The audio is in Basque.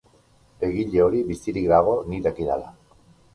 Egile hori bizirik dago, nik dakidala.